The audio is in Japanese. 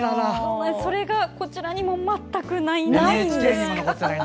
それが、こちらにも全くないんです。